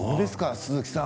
鈴木さん。